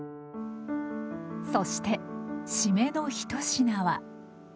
そして締めの一品は。